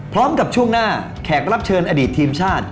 ช่วงหน้าแขกรับเชิญอดีตทีมชาติ